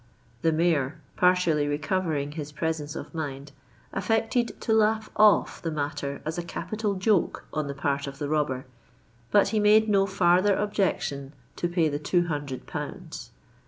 "—The Mayor, partially recovering his presence of mind, affected to laugh off the matter as a capital joke on the part of the robber; but he made no farther objection to pay the two hundred pounds.